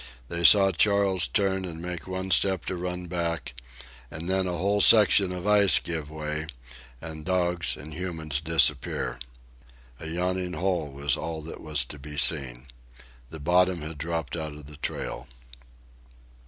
They saw Charles turn and make one step to run back, and then a whole section of ice give way and dogs and humans disappear. A yawning hole was all that was to be seen. The bottom had dropped out of the trail.